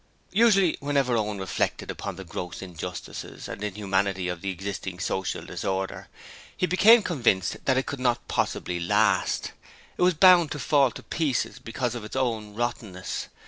Usually whenever Owen reflected upon the gross injustices, and inhumanity of the existing social disorder, he became convinced that it could not possibly last; it was bound to fall to pieces because of its own rottenness.